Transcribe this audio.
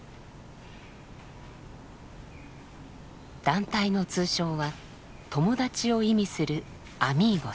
団体の通称は「友達」を意味する「ＡＭＩＧＯＳ」。